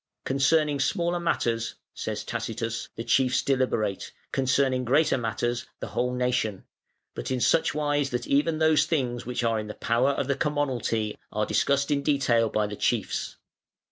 "Concerning smaller matters", says Tacitus, "the chiefs deliberate; concerning greater matters, the whole nation; but in such wise that even those things which are in the power of the commonalty are discussed in detail by the chiefs.